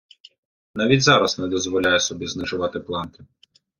Навіть зараз не дозволяє собі знижувати планку.